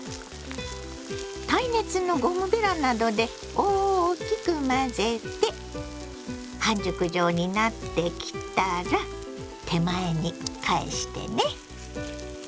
耐熱のゴムベラなどで大きく混ぜて半熟状になってきたら手前に返してね。